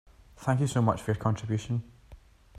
Thank you so much for your contribution.